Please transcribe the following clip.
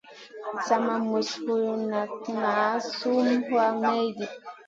Sa ma mus ruwatn ŋa suan mayɗi.